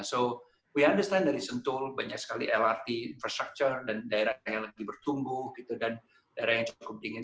so we understand that sentul banyak sekali lrt infrastructure dan daerahnya lagi bertumbuh gitu dan daerah yang cukup dingin